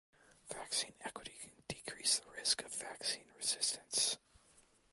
Vaccine equity can decrease the risk of vaccine resistance.